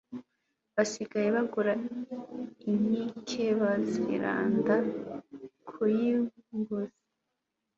Basigaye begura inkikeBaziranda ku y' imbuzi